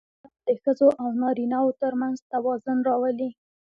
علم د ښځو او نارینهوو ترمنځ توازن راولي.